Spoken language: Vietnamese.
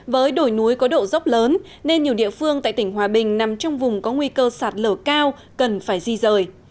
với đồi núi có độ dốc lớn nên nhiều địa phương tại tỉnh hòa bình nằm trong vùng có nguy cơ sạt lở cao cần phải di rời